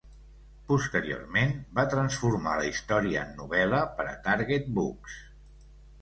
Posteriorment va transformar la història en novel·la per a Target Books.